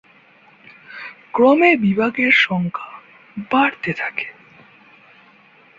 ক্রমে বিভাগের সংখ্যা বাড়তে থাকে।